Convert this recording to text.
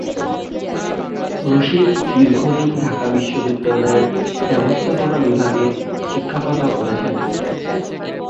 রশীদ দীর্ঘদিন ঢাকা বিশ্ববিদ্যালয়ের ব্যবস্থাপনা বিভাগে শিক্ষকতা করেছেন।